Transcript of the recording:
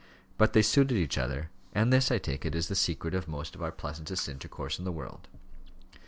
But they suited each other; and this, I take it, is the secret of most of our pleasantest intercourse in the world.